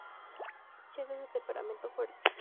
Chez es de temperamento fuerte.